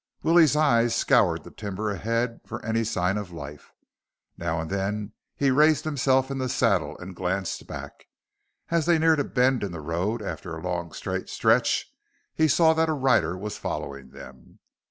Willie's eyes scoured the timber ahead for any sign of life. Now and then he raised himself in the saddle and glanced back. As they neared a bend in the road after a long straight stretch, he saw that a rider was following them.